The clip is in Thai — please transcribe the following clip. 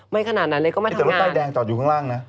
ไม่ขนาดนั้นเลยก็ไม่ทำงานแต่รถใต้แดงจอดอยู่ข้างล่างนะ